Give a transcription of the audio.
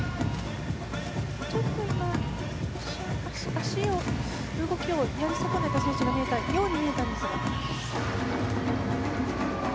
脚の動きをやり損ねた選手がいたように見えたんですが。